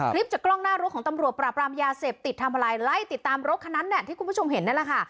จากกล้องหน้ารถของตำรวจปราบรามยาเสพติดทำอะไรไล่ติดตามรถคันนั้นที่คุณผู้ชมเห็นนั่นแหละค่ะ